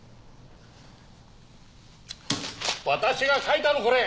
私が描いたのこれ！